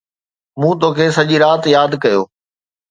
مون توکي سڄي رات ياد ڪيو